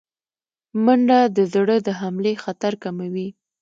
منډه د زړه د حملې خطر کموي